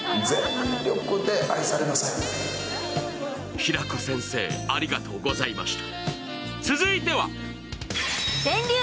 平子先生、ありがとうございました。